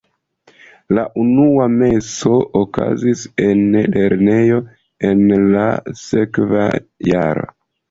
La unua meso okazis en lernejo en la sekva jaro.